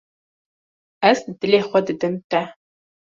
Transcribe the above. Ez dilê xwe didim te.